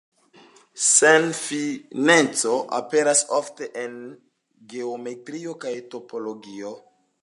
Senfineco aperas ofte en geometrio kaj topologio.